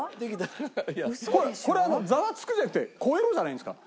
これ「ザワつく！」じゃなくて「超えろ」じゃないんですか？